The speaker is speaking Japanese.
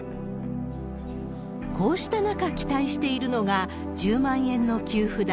こうした中、期待しているのが１０万円の給付だ。